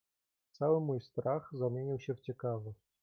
"Cały mój strach zamienił się w ciekawość."